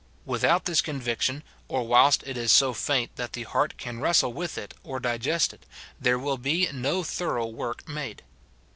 Without this conviction, or whilst it is so faint that the heart can wrestle with it or digest it, there will be no thorough work made.